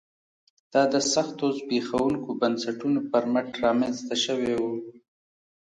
دا د سختو زبېښونکو بنسټونو پر مټ رامنځته شوی و